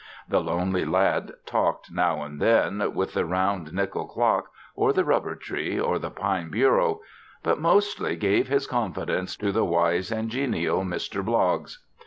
The lonely lad talked, now and then, with the round, nickel clock or the rubber tree or the pine bureau, but mostly gave his confidence to the wise and genial Mr. Bloggs.